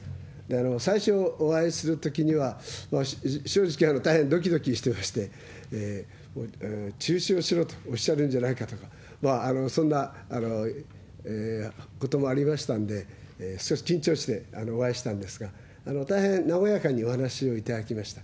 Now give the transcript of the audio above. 最初お会いするときには、正直、大変どきどきしてまして、中止をしろとおっしゃるんじゃないかとか、そんなこともありましたんで、少し緊張してお会いしたんですが、大変和やかにお話しをいただきました。